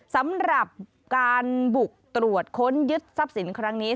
สำหรับการบุกตรวจค้นยึดทรัพย์สินครั้งนี้